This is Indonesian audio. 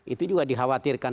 itu juga dikhawatirkan